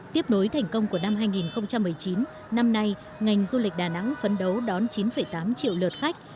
tiếp nối thành công của năm hai nghìn một mươi chín năm nay ngành du lịch đà nẵng phấn đấu đón chín tám triệu lượt khách